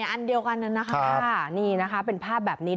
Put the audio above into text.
อันเดียวกันนั้นนะคะนี่นะคะเป็นภาพแบบนี้